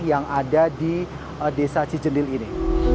yang ada di desa cijendil ini